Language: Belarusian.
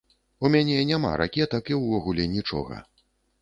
У мяне няма ракетак і ўвогуле нічога.